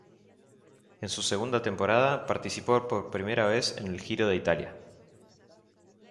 En su segunda temporada, participó por primera vez en el Giro de Italia.